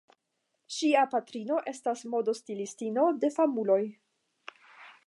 Ŝia patrino estas modostilistino de famuloj.